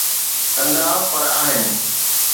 ڪندا 'پر آهن.